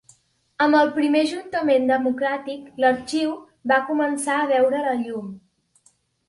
Amb el primer Ajuntament democràtic, l'arxiu va començar a veure la llum.